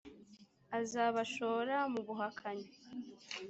azabashora mu buhakanyi